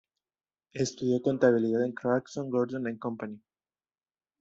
Estudió contabilidad en Clarkson, Gordon and Company.